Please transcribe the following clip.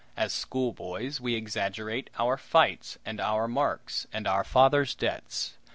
As schoolboys, we exaggerate our fights and our marks and our fathers' debts.